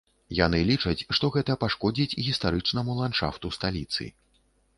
Яны лічаць, што гэта пашкодзіць гістарычнаму ландшафту сталіцы.